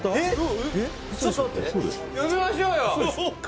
「呼びましょうよ」